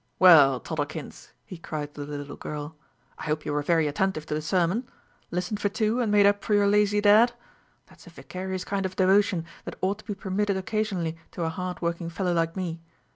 "Well, Toddlekins," he cried to the little girl, "I hope you were very attentive to the sermon; listened for two, and made up for your lazy dad. That's a vicarious kind of devotion that ought to be permitted occasionally to a hard working fellow like me.